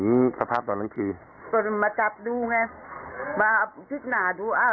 มีสายเหตุมาจากอะไรภาพจะรู้ไหม